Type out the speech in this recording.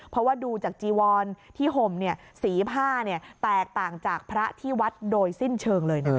เพราะว่าดูจากจีวอนที่ห่มสีผ้าแตกต่างจากพระที่วัดโดยสิ้นเชิงเลยนะคะ